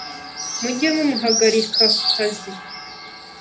mujye mumuhagarika ku kazi